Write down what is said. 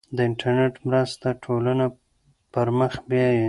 د انټرنیټ مرسته ټولنه پرمخ بیايي.